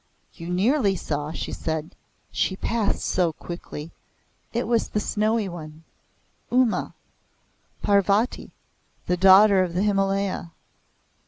"You nearly saw;" she said. "She passed so quickly. It was the Snowy One, Uma, Parvati, the Daughter of the Himalaya.